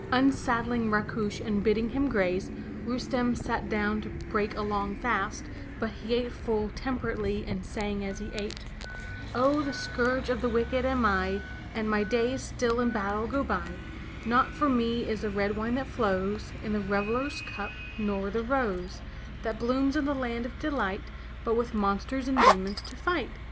Unsaddling Rakush and bidding him graze, Rustem sat down to break a long fast, but he ate full temperately and sang as he ate: *'0h, the scourge of the wicked am I; And my days still in battle go by; Not for me is the red wine that flows In the reveller's cup, nor the rose That blooms in the land of delighty But with monsters and demons to fight!